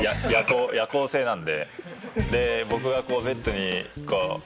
夜行性なんで。